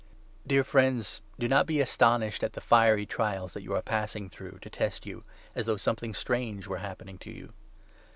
Dear friends, do not be astonished at the fiery 12 .Aals that you are passing through, to test you, as though something strange were happening to you.